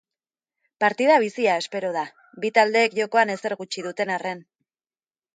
Partida bizia espero da, bi taldeek jokoan ezer gutxi duten arren.